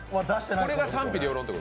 これが賛否両論。